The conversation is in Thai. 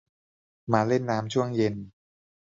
มาเล่นน้ำช่วงเย็น